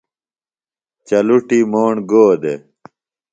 چلٹُی موݨ گودےۡ؟